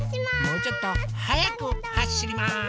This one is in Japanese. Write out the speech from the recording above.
もうちょっとはやくはしります。